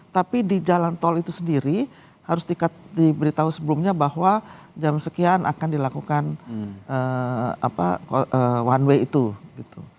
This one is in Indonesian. tapi di jalan tol itu sendiri harus diberitahu sebelumnya bahwa jam sekian akan dilakukan one way itu gitu